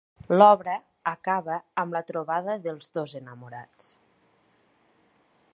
L'obra acaba amb la trobada dels dos enamorats.